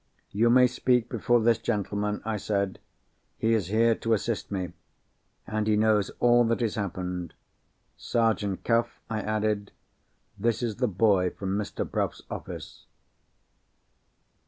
"You may speak before this gentleman," I said. "He is here to assist me; and he knows all that has happened. Sergeant Cuff," I added, "this is the boy from Mr. Bruff's office."